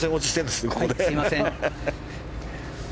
すいません。